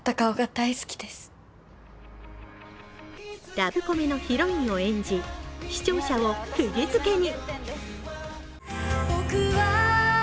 ラブコメのヒロインを演じ、視聴者をくぎづけに。